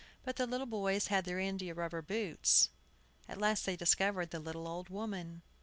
But the little boys had their india rubber boots. At last they discovered the little old woman.